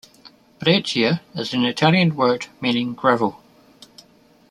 Breccia is an Italian word meaning "gravel".